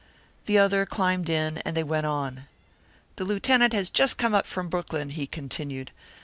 The other climbed in, and they went on. "The Lieutenant has just come up from Brooklyn," he continued.